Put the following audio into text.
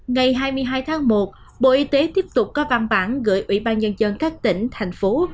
ngày hai mươi hai tháng một bộ y tế tiếp tục có văn bản gửi ủy ban nhân dân các tỉnh thành phố